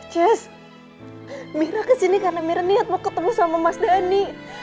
jess mirah kesini karena mirah niat mau ketemu sama mas dhani